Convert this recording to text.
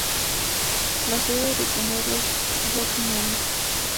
La sede de condado es Rocky Mount.